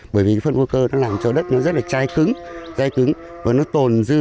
bởi vì phân vô cơ nó làm cho đất nó rất là chai cứng day cứng và nó tồn dư